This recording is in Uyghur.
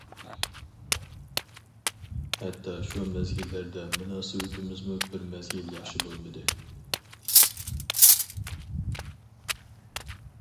ھەتتا شۇ مەزگىللەردە مۇناسىۋىتىمىزمۇ بىر مەزگىل ياخشى بولمىدى.